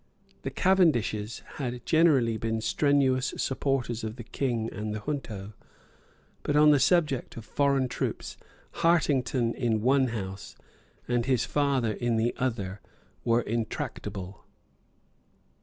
The Cavendishes had generally been strenuous supporters of the King and the junto. But on the subject of the foreign troops Hartington in one House and his father in the other were intractable.